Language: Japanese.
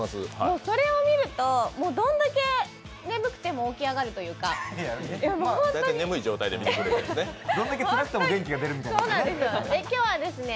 それを見るとどんだけ眠くても起き上がるというか大体、眠い状態で見てるんですね。